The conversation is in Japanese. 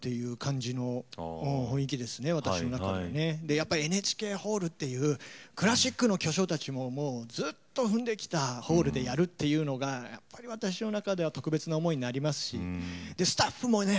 やっぱりＮＨＫホールっていうクラシックの巨匠たちもずっと踏んできたホールでやるっていうのが私の中では特別な思いになりますしスタッフもね